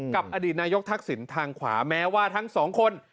กับอดีตนายกทักษิณทางขวาแม้ว่าทั้งสองคน